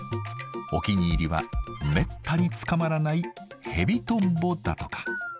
お気に入りはめったに捕まらないヘビトンボだとか。